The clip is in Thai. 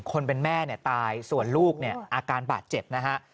คนเป็นแม่เนี่ยตายส่วนลูกเนี่ยอาการบาดเจ็บนะฮะ